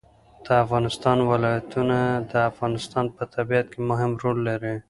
د افغانستان ولايتونه د افغانستان په طبیعت کې مهم رول لري.